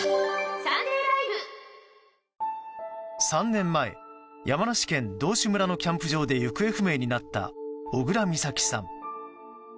３年前山梨県道志村のキャンプ場で行方不明になった小倉美咲さん。